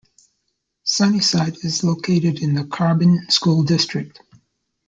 Sunnyside is located in the Carbon School District.